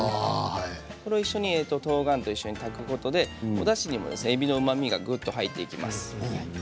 とうがんと一緒に炊くことでおだしにも、えびのうまみがぐっと入っていきます。